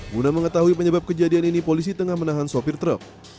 guna mengetahui penyebab kejadian ini polisi tengah menahan sopir truk